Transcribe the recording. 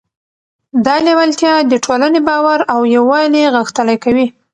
دا لیوالتیا د ټولنې باور او یووالی غښتلی کوي.